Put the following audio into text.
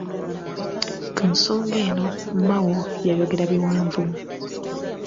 Ku nsonga eno Mao yayogera biwanvu.